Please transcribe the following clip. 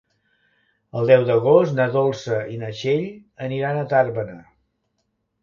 El deu d'agost na Dolça i na Txell aniran a Tàrbena.